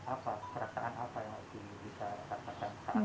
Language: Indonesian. apa kerasaan apa yang oki bisa dapatkan